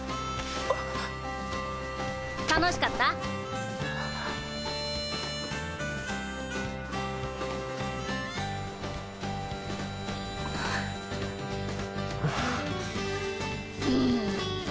楽しかった？に。